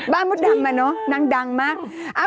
บ้านมดดำมาเนอะดังมาก